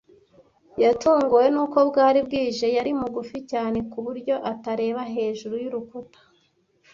Yatunguwe nuko bwari bwije. Yari mugufi cyane ku buryo atareba hejuru y'urukuta.